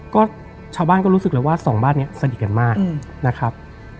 ก็ชาวบ้านก็รู้สึกเลยว่าสองบ้านนี้สนิทกันมากนะครับ